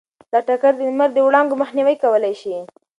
دا ټکر د لمر د وړانګو مخنیوی کولی شي.